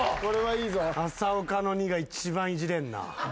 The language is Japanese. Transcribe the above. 浅岡の２が一番イジれんな。